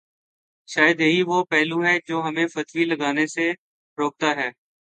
شاید یہی وہ پہلو ہے جو ہمیں فتوی لگانے سے روکتا ہے۔